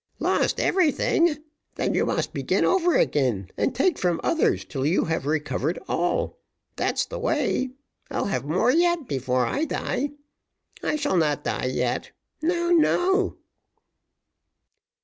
"Lost everything! then you must begin over again, and take from others till you have recovered all. That's the way I'll have more yet, before I die. I shall not die yet no, no."